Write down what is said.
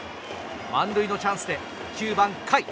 満塁のチャンスで９番、甲斐。